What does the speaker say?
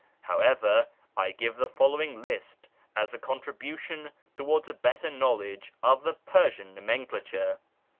How yer, I give the following list as a contribution towards a btter knowledge of the Persian nomenclature.